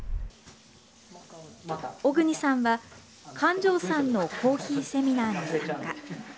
小國さんは、神定さんのコーヒーセミナーに参加。